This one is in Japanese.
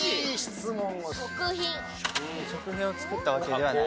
食品を作ったわけではない。